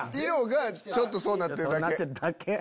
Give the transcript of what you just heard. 色がちょっとそうなってるだけ。